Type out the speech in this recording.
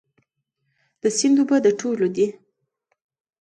د سیند اوبه د ټولو دي؟